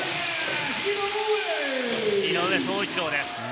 井上宗一郎です。